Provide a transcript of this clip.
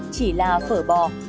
chỉ là phở bò